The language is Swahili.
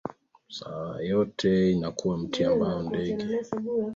yote Inakuwa mti ambao ndege wanauendea wakipata makao katika